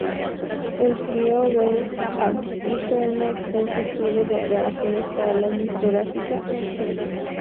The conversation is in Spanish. El Trío Beaux Arts hizo una extensa serie de grabaciones para la discográfica Philips.